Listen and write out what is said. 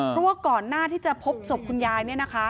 เพราะว่าก่อนหน้าที่จะพบศพคุณยายเนี่ยนะคะ